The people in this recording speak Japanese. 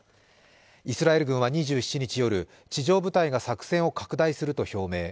イスラエル軍は２７日夜、地上部隊が作戦を拡大すると表明。